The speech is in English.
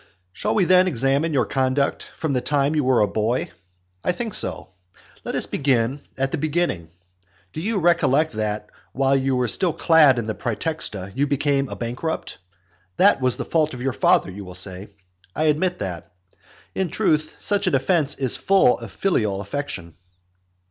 XVIII. Shall we then examine your conduct from the time when you were a boy? I think so. Let us begin at the beginning. Do you recollect that, while you were still clad in the praetexta, you became a bankrupt? That was the fault of your father, you will say. I admit that. In truth, such a defence is full of filial affection.